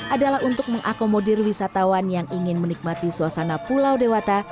adalah untuk mengakomodir wisatawan yang ingin menikmati suasana pulau dewata